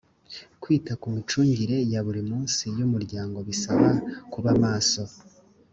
kwita ku micungire ya buri munsi y’ umuryango bisaba kubamaso.